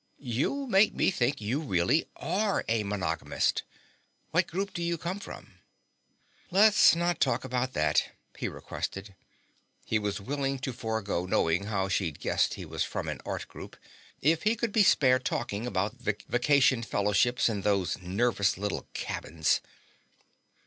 "You'll make me think you really are a monogamist. What group do you come from?" "Let's not talk about that," he requested. He was willing to forego knowing how she'd guessed he was from an art group, if he could be spared talking about the Vacation Fellowships and those nervous little cabins.